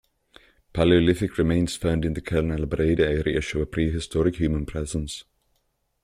Paleolithic remains found in the Can Albareda area show a prehistoric human presence.